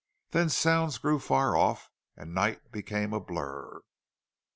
Then sounds grew far off and night became a blur.